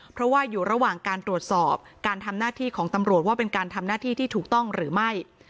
เพราะว่าอยู่ระหว่างการตรวจสอบการทำหน้าที่ของตำรวจว่าเป็นการทำหน้าที่ที่ถูกต้องหรือไม่